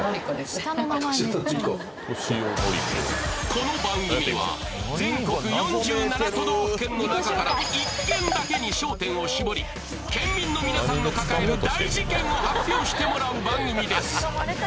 この番組は全国４７都道府県の中から１県だけに焦点を絞り県民の皆さんの抱える大事ケンを発表してもらう番組です